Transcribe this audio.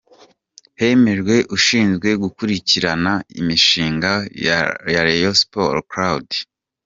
Hemejwe ushinzwe gukurikirana imishinga ya Rayon sport Claude.